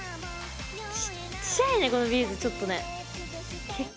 ちっちゃいねこのビーズちょっとね結構。